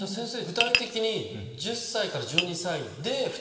具体的に。